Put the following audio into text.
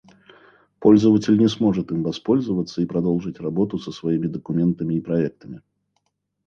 Пользователь не сможет им воспользоваться и продолжить работу со своими документами и проектами